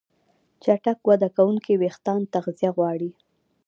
چټک وده کوونکي وېښتيان تغذیه غواړي.